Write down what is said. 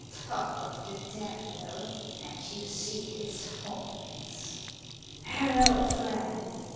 Talk of the Devil and you see his horns. Hullo, Friend